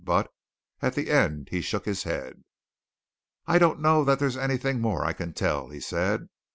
But at the end he shook his head. "I don't know that there's anything more that I can tell," he said.